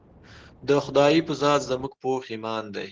د خدائے پۀ ذات زمونږ پوخ ايمان دے